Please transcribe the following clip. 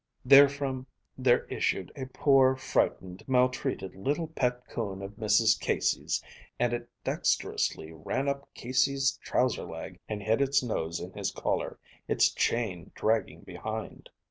Therefrom there issued a poor, frightened, maltreated little pet coon of Mrs. Casey's, and it dexterously ran up Casey's trouser leg and hid its nose in his collar, its chain dragging behind.